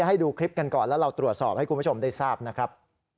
ให้ดูคลิปกันก่อนแล้วเราตรวจสอบให้คุณผู้ชมได้ทราบนะครับ